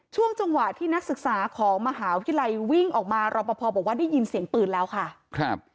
ช่วงจังหวะที่นักศึกษาของมหาวิทยาลัยวิ่งออกมารอปภบอกว่าได้ยินเสียงปืนแล้วค่ะครับ